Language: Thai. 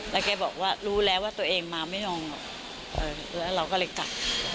แล้วแกบอกว่ารู้แล้วว่าตัวเองมาไม่ลงหรอกแล้วเราก็เลยกลับ